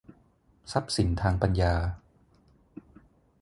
ทรัพย์สินทางปัญญา